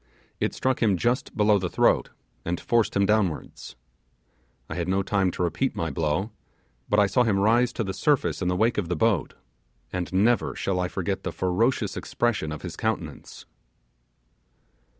It struck him just below the throat, and forced him downwards. I had no time to repeat the blow, but I saw him rise to the surface in the wake of the boat, and never shall I forget the ferocious expression of his countenance.